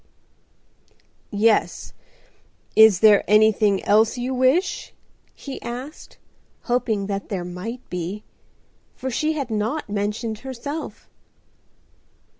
"Yes. Is there anything else you wish?" he asked, hoping that there might be, for she had not mentioned herself.